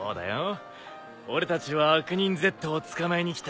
俺たちは悪人Ｚを捕まえに来た正義の味方さ。